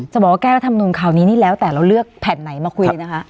บอกว่าแก้รัฐมนุนคราวนี้นี่แล้วแต่เราเลือกแผ่นไหนมาคุยนะคะ